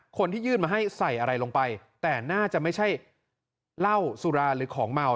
คนที่ยื่นมาให้ใส่อะไรลงไปแต่น่าจะไม่ใช่เหล้าสุราหรือของเมา